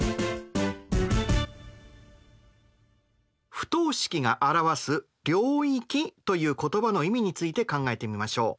不等式が表す領域という言葉の意味について考えてみましょう。